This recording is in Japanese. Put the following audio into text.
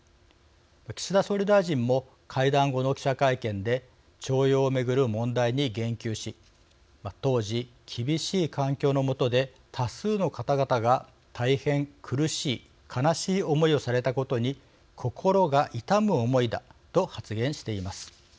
岸田総理大臣も会談後の記者会見で徴用をめぐる問題に言及し「当時厳しい環境のもとで多数の方々が大変苦しい悲しい思いをされたことに心が痛む思いだ」と発言しています。